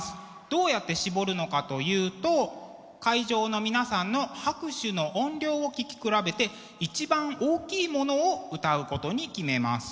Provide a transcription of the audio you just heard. どうやって絞るのかというと会場の皆さんの拍手の音量を聞き比べて一番大きいものを歌うことに決めます。